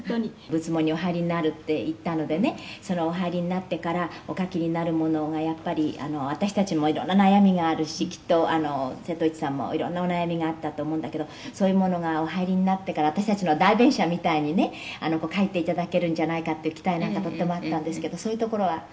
「“仏門にお入りになる”って言ったのでねお入りになってからお書きになるものがやっぱり私たちもいろんな悩みがあるしきっと瀬戸内さんもいろんなお悩みがあったと思うんだけどそういうものがお入りになってから私たちの代弁者みたいにね書いていただけるんじゃないかっていう期待なんかとてもあったんですけどそういうところは？」